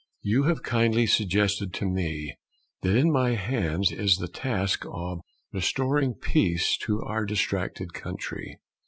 You have kindly suggested to me that in my hands is the task of restoring peace to our distracted country.